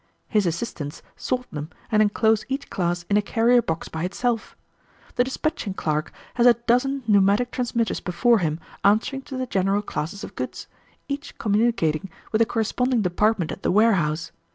His assistants sort them and enclose each class in a carrier box by itself. The dispatching clerk has a dozen pneumatic transmitters before him answering to the general classes of goods, each communicating with the corresponding department at the warehouse.